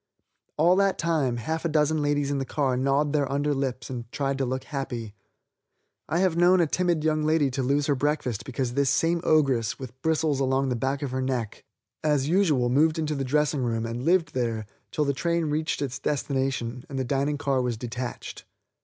All that time half a dozen ladies in the car gnawed their under lips and tried to look happy. I have known a timid young lady to lose her breakfast because this same ogress, with bristles along the back of her neck, as usual moved into the dressing room and lived there till the train reached its destination and the dining car was detached.